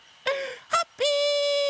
ハッピー！